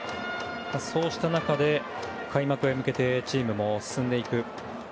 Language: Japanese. そうした中で開幕へ向けてチームも進んでいく。